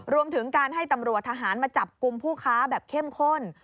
รวมถึงการให้ตำรวจทหารมาจับกลุ่มผู้ค้าแบบเข้มข้น